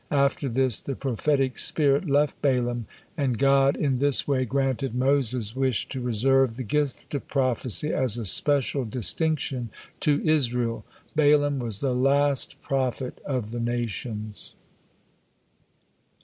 After this, the prophetic spirit left Balaam, and God in this way granted Moses' wish to reserve the gift of prophecy as a special distinction to Israel. Balaam was the last prophet of the nations.